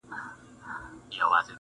څۀ کۀ زۀ والوتمه لاړم نمر ته ورسېدم